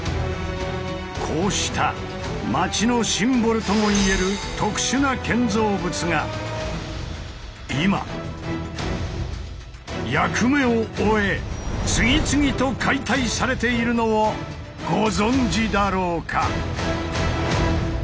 こうした街のシンボルともいえる特殊な建造物が今役目を終え次々と解体されているのをご存じだろうか。